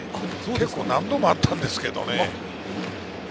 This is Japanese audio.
結構何度もあったんですけれどね。